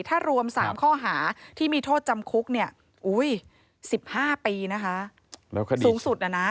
ถ้ารวม๓ข้อหาที่มีโทษจำคุก๑๕ปีสูงสุดน่ะนะ